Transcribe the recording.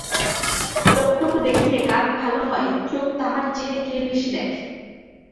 যতটুকু দেখিলে কাজ ভালো হয় চোখ তাহার চেয়ে ঢের বেশি দেখে।